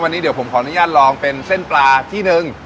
วันนี้ผมขออนุญาตลองได้เป็นเส้นปลาที่หนึ่ง